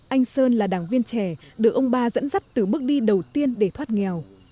anh sơn là đảng viên trẻ được ông ba dẫn dắt từ bước đi đầu tiên để thoát nghèo